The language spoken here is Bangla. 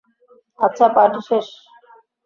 আচ্ছা, পার্টি শেষ!